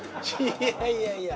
いやいやいや。